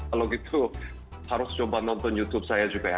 kalau gitu harus coba nonton youtube saya juga ya